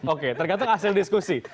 oke tergantung hasil diskusi